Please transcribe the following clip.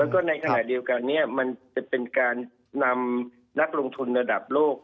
แล้วก็ในขณะเดียวกันนี้มันจะเป็นการนำนักลงทุนระดับโลก